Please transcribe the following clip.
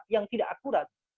yang tidak akurat